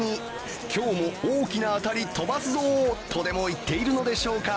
今日も大きな当たり、飛ばすぞとでも言っているのでしょうか。